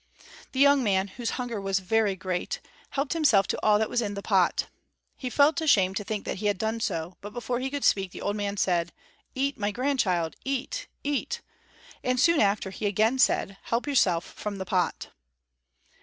The young man, whose hunger was very great, helped himself to all that was in the pot. He felt ashamed to think that he had done so, but before he could speak the old man said: "Eat, my grandchild; eat, eat!" and soon after he again said "Help yourself from the pot."